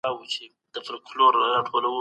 دغه دواړه کلمې په لیکلو کي یو شان دي.